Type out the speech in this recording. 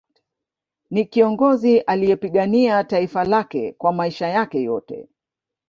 Ni kiongozi aliyepigania taifa lake kwa maisha yake yote